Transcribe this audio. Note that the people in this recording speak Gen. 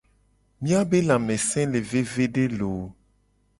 Miabe lamese le vevede looo!